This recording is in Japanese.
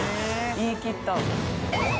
言い切った。